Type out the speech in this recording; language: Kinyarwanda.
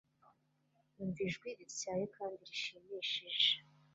Umva Ijwi rityaye kandi rishimishije